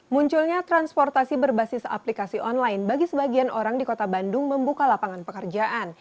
munculnya transportasi berbasis aplikasi online bagi sebagian orang di kota bandung membuka lapangan pekerjaan